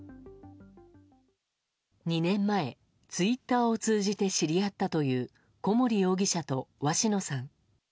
２年前、ツイッターを通じて知り合ったという小森容疑者と鷲野さん。